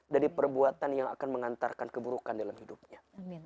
dari perbuatan yang akan mengantarkan keburukan dalam hidupnya